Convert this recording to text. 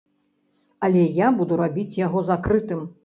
Але я буду рабіць яго закрытым.